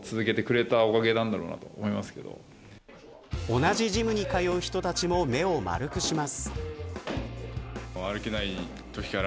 同じジムに通う人たちも目を丸くします。